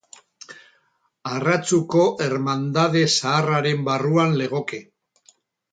Arratzuko ermandade zaharraren barruan legoke.